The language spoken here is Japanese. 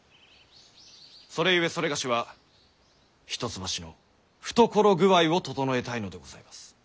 それゆえ某は一橋の懐具合をととのえたいのでございます。